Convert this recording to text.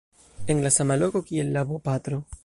en la sama loko kiel la bopatro